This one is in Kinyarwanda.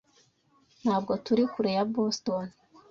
Ntabwo turi kure ya Boston.